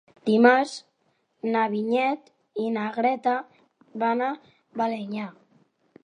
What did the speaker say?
Dimarts na Vinyet i na Greta van a Balenyà.